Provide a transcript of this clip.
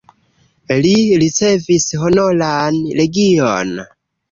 Li ricevis Honoran Legion.